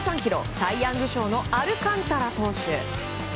サイ・ヤング賞のアルカンタラ投手。